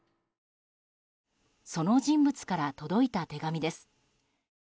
その人物から届いた手紙です。